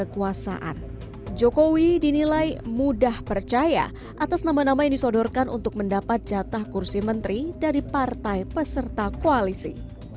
karya atas nama nama yang disodorkan untuk mendapat jatah kursi menteri dari partai peserta koalisi